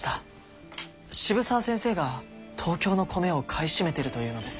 渋沢先生が東京の米を買い占めているというのです。